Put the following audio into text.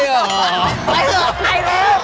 ไฮฮูไฮฮุ